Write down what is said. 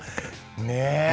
ねえ。